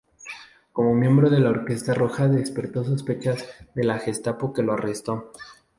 Como miembro de la Orquesta Roja despertó sospechas de la Gestapo que lo arrestó.